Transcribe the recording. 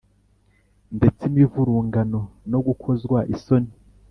Ndetse imivurungano no gukozwa isoni